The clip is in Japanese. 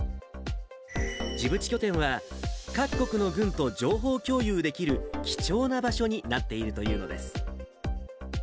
ジブチ拠点は、各国の軍と情報共有できる貴重な場所になっているというのです。